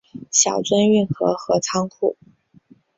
小樽运河和仓库